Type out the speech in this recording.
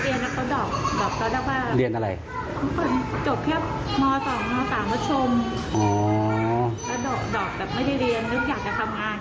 ตอนนี้เรียนแล้วก็ดอกตัวได้บ้าง